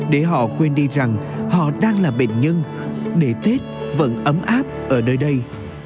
để họ quên đi rằng họ đang là bệnh nhân để tết vẫn ấm áp ở nơi đây